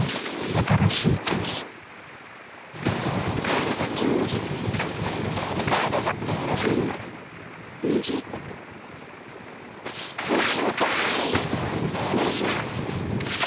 新しい「トリス」お願いします